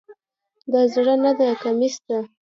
دا زری نده، کمیس ده.